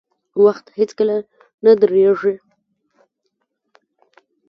• وخت هیڅکله نه درېږي.